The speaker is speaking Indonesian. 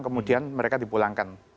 kemudian mereka dipulangkan